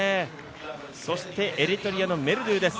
そしてエリトリアのメルドゥです。